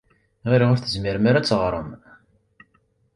Ɣileɣ ur tezmirem ara ad teɣṛem.